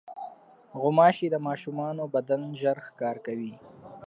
غوماشې د ماشومانو بدن ژر ښکار کوي.